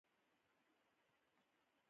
په ماشین کې د فشار مرکز جوړول و.